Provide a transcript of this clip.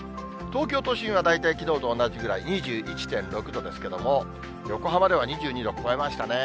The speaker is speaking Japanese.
東京都心は大体きのうと同じぐらい、２１．６度ですけれども、横浜では２２度超えましたね。